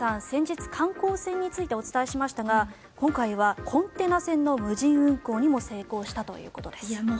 先日、観光船についてお伝えしましたが今回はコンテナ船の無人運航にも成功したということです。